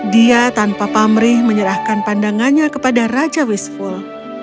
dia tanpa pamrih menyerahkan pandangannya kepada raja wishful